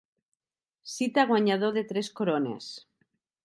Cita guanyador de tres corones.